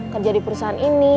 kerja di perusahaan ini